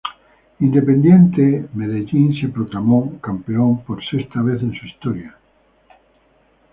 Independiente Medellín se proclamó campeón por sexta vez en su historia.